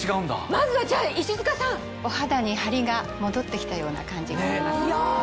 まずはじゃあ石塚さん。お肌にハリが戻ってきたような感じがします。